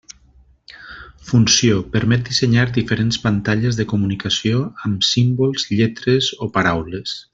Funció: permet dissenyar diferents pantalles de comunicació amb símbols, lletres o paraules.